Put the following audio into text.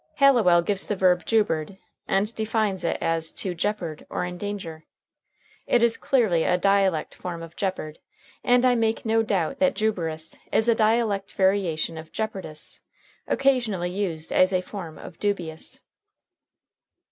Halliwell gives the verb juberd and defines it as "to jeopard or endanger." It is clearly a dialect form of jeopard, and I make no doubt that juberous is a dialect variation of jeopardous, occasionally used as a form of dubious.